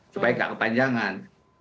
supaya tidak kepanjangan